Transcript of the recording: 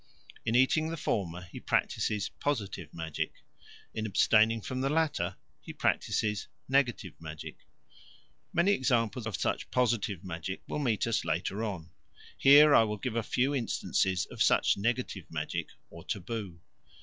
In eating the former he practises positive magic; in abstaining from the latter he practises negative magic. Many examples of such positive magic will meet us later on; here I will give a few instances of such negative magic or taboo.